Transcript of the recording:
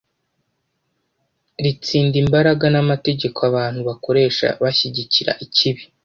ritsinda imbaraga n’amategeko abantu bakoresha bashyigikira ikibi.